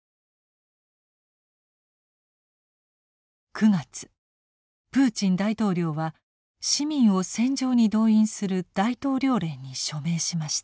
９月プーチン大統領は市民を戦場に動員する大統領令に署名しました。